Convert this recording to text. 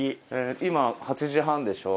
今８時半でしょ。